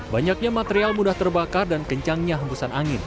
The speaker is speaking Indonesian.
banyaknya material mudah terbakar dan kencangnya hembusan angin